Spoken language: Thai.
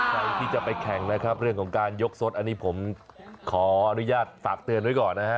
ใครที่จะไปแข่งนะครับเรื่องของการยกสดอันนี้ผมขออนุญาตฝากเตือนไว้ก่อนนะฮะ